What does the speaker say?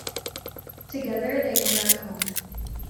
Together, they go back home.